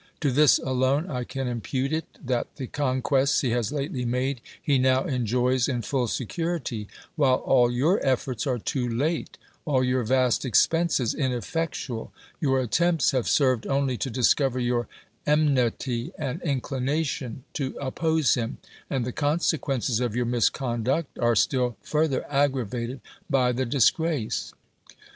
To this alone I can impute it, that the conquests he has lately made he now enjoys in full security ; while all your efforts are too late, all your vast expenses ineffectual ; your attempts have served only to discover your enmity and inclination to oppose him; and the consequences of your misconduct are still further aggravated by the disgrace.